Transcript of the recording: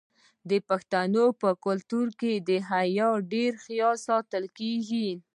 د پښتنو په کلتور کې د حیا ډیر خیال ساتل کیږي.